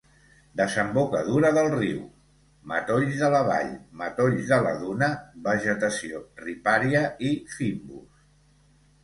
Desembocadura del riu: matolls de la vall, matolls de la duna, vegetació ripària i fynbos.